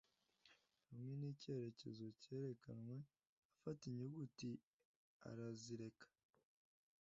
hamwe n "icyerekezo cyerekanwe" afata inyuguti, arazireka